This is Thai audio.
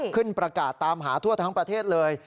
ขึ้นประกาศตามหาทั่วทั้งประเทศเลย